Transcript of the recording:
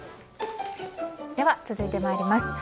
続いてまいります。